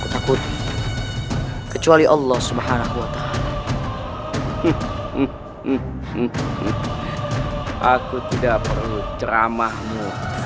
kalau terjadi sesuatu pada dirimu bagaimana